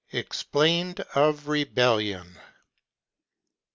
EXPLAINED OF REBELLION.